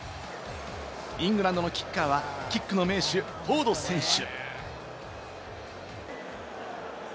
イングランドのキッカーはキックの名手、フォード選手。